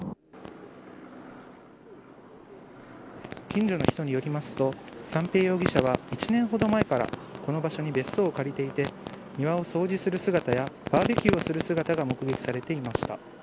近所の人によりますと三瓶容疑者は１年ほど前からこの場所に別荘を借りていて庭を掃除する姿やバーベキューをする姿が目撃されていました。